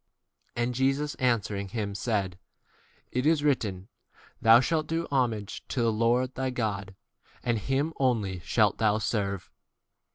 And Jesus answering him said, c It is written, Thou shalt do homage to [the] Lord d thy God, and him only shalt thou serve.